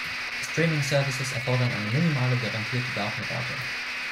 Streaming services erfordern eine minimale garantierte Datenrate.